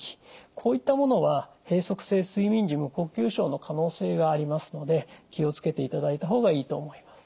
こういったものは閉塞性睡眠時無呼吸症の可能性がありますので気を付けていただいた方がいいと思います。